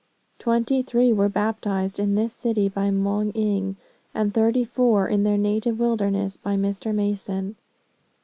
Twenty three were baptized in this city by Moung Ing, and thirty four in their native wilderness by Mr. Mason.